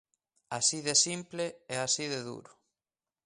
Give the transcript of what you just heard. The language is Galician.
Así de simple e así de duro.